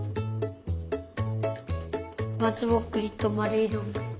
まつぼっくりとまるいの。